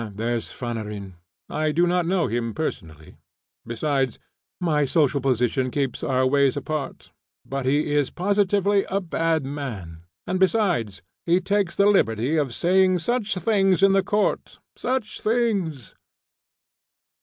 There's Fanarin. I do not know him personally; besides, my social position keeps our ways apart; but he is positively a bad man, and besides, he takes the liberty of saying such things in the court such things!"